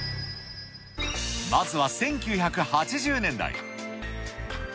まずは１９８０年代。